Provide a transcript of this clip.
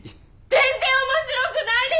全然面白くないですよ！